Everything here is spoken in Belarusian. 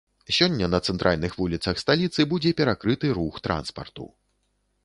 Сёння на цэнтральных вуліцах сталіцы будзе перакрыты рух транспарту.